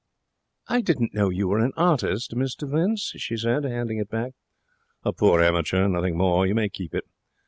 'I didn't know you were an artist, Mr Vince,' she said, handing it back. 'A poor amateur. Nothing more. You may keep it.'